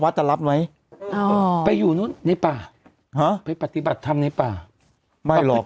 จะรับไหมไปอยู่นู้นในป่าฮะไปปฏิบัติธรรมในป่าไม่หรอก